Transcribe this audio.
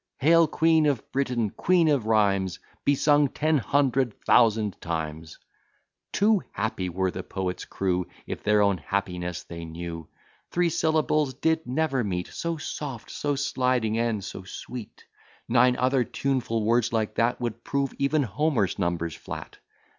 Hail, queen of Britain, queen of rhymes! Be sung ten hundred thousand times; Too happy were the poets' crew, If their own happiness they knew: Three syllables did never meet So soft, so sliding, and so sweet: Nine other tuneful words like that Would prove even Homer's numbers flat.